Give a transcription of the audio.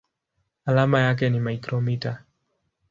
Alama yake ni µm.